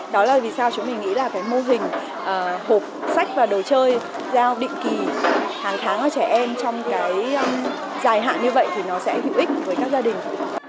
đó là vì sao chúng mình nghĩ là cái mô hình hộp sách và đồ chơi giao định kỳ hàng tháng cho trẻ em trong cái dài hạn như vậy thì nó sẽ hữu ích với các gia đình